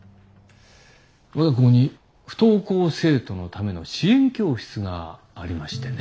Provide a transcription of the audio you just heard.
我が校に不登校生徒のための支援教室がありましてね。